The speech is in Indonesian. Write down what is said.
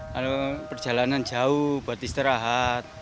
kalau perjalanan jauh buat istirahat